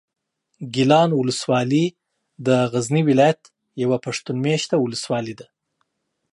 ګیلان اولسوالي د غزني ولایت یوه پښتون مېشته اولسوالي ده.